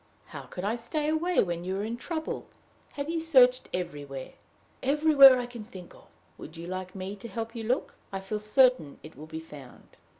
"How could I stay away when you were in trouble? Have you searched everywhere?" "Everywhere I can think of." "Would you like me to help you look? I feel certain it will be found."